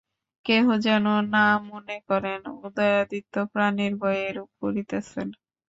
কেহ যেন না মনে করেন, উদয়াদিত্য প্রাণের ভয়ে এরূপ করিতেছেন।